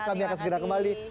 kami akan segera kembali